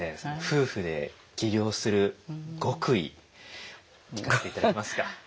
夫婦で起業する極意聞かせて頂けますか？